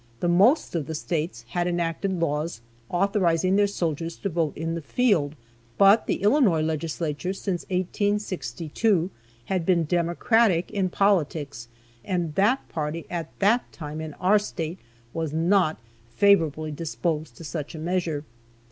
The most of the States had enacted laws authorizing their soldiers to vote in the field, but the Illinois legislature since 1862 had been Democratic in politics, and that party at that time in our State was not favorably disposed to such a measure.